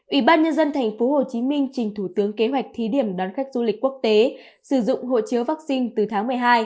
ủy ban nhân dân thành phố hồ chí minh trình thủ tướng kế hoạch thí điểm đón khách du lịch quốc tế sử dụng hộ chiếu vaccine từ tháng một mươi hai